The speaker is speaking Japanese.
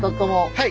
はい。